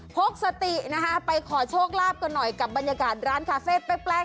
พกสตินะคะไปขอโชคลาภกันหน่อยกับบรรยากาศร้านคาเฟ่แปลก